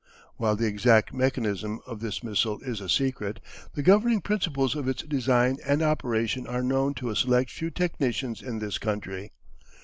While the exact mechanism of this missile is a secret, the governing principles of its design and operation are known to a select few technicians in this country.